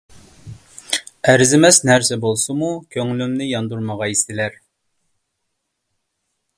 ئەرزىمەس نەرسە بولسىمۇ، كۆڭلۈمنى ياندۇرمىغايسىلەر.